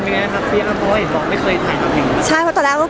มันกล้ำปั้มะมื้อสึริมเนาะว่ามันจะดีหรือเปล่า